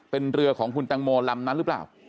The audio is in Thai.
เป็นเรือของคุณตังโมลำนั้นหรือเปล่า